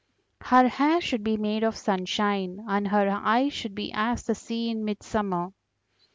Her hair should be made of sunshine, and her eyes should be as the sea in midsummer.